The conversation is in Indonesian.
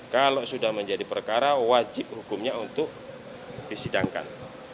kalau sudah menjadi perkara wajib hukumnya untuk disidangkan